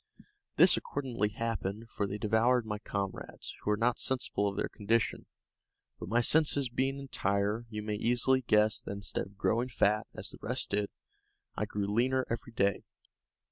This accordingly happened, for they devoured my comrades, who were not sensible of their condition; but my senses being entire, you may easily guess that instead of growing fat, as the rest did, I grew leaner every day.